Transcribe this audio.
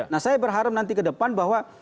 nah saya berharap nanti ke depan bahwa